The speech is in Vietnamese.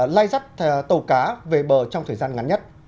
lai dắt tàu cá về bờ trong thời gian ngắn nhất